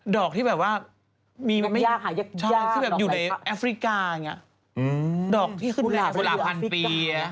ดอกที่แบบว่าอยู่ในแอฟริกาอย่างเงี้ย